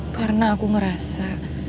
karena aku ngerasa